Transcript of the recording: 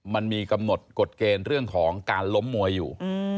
มันมีกำหนดกฎเกณฑ์เรื่องของการล้มมวยอยู่